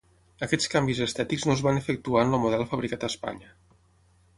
Aquests canvis estètics no es van efectuar en el model fabricat a Espanya.